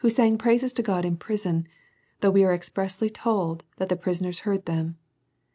sang praises to God in prison, though we are expressly told, that the prison ers heard them.